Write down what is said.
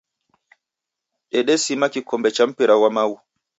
Dedesima kikombe cha mpira ghwa maghu.